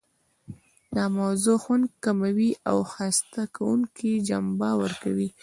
د موضوع خوند کموي او خسته کوونکې جنبه ورکوي.